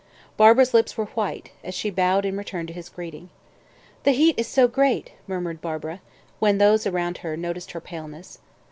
Barbara's lips were white, as she bowed in return to his greeting. "The heat is so great!" murmured Barbara, when those around noticed her paleness.